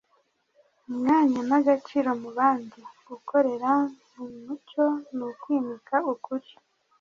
umwanya n'agaciro mu bandi. gukorera mu mucyo ni ukwimika ukuri